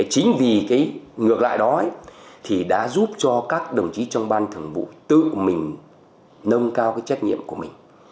chính vì cái ngược lại đó thì đã giúp cho các đồng chí trong ban thường vụ tự mình nâng cao cái trách nhiệm của mình